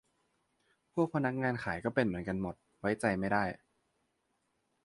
พวกพนักงานขายเป็นเหมือนกันหมด ไว้ใจไม่ได้